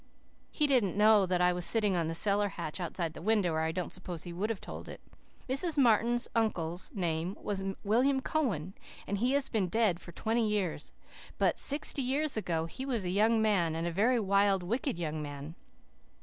He didn't know I was sitting on the cellar hatch outside the window, or I don't suppose he would have told it. Mrs. Martin's uncle's name was William Cowan, and he has been dead for twenty years; but sixty years ago he was a young man, and a very wild, wicked young man.